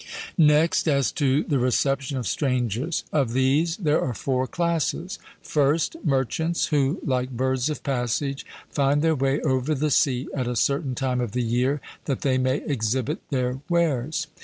Next, as to the reception of strangers. Of these there are four classes: First, merchants, who, like birds of passage, find their way over the sea at a certain time of the year, that they may exhibit their wares.